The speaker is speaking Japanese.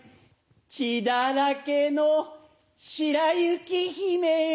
血だらけの白雪姫よ。